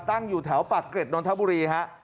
ตั้งอยู่แถวปากเกร็ดนนทบุรีฮะ